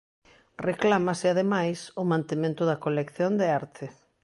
Reclámase, ademais, o mantemento da colección de arte.